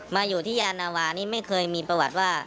มาอยู่ที่ยานาวานี่ไม่เคยมีประวัติว่า